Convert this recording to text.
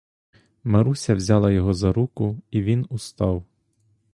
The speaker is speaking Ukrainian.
Маруся взяла його за руку, і він устав.